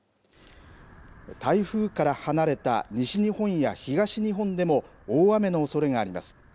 台風から離れた西日本や東日本でも大雨のおそれがあります。